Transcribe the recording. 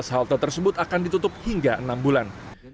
dua halte tersebut akan ditutup hingga enam bulan